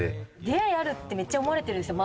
出会いあるってめっちゃ思われてるんですよ